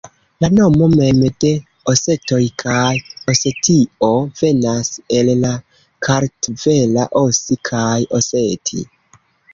La nomo mem de osetoj kaj Osetio venas el la kartvela osi kaj Oseti.